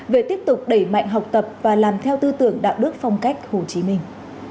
về tiếp tục đẩy mạnh học tập và làm theo tư tưởng đạo đức phong cách hồ chí minh